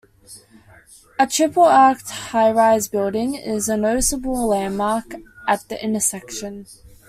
A triple-arched highrise building is a noticeable landmark at the intersection.